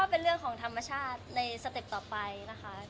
เป็นเรื่องของธรรมชาติในสเต็ปต่อไปนะคะ